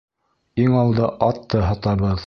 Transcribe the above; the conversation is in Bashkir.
Иң алда атты һатабыҙ!